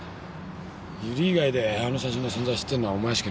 由理以外であの写真の存在を知ってんのはお前しか。